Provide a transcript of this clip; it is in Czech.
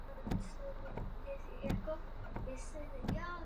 V budoucnu se na operaci budou podílet i další státy.